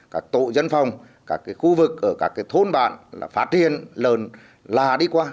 các tội dân phòng các khu vực các thôn bạn phạt hiền lợn là đi qua